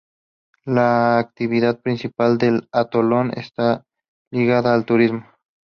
La actividad principal del atolón está ligada al turismo.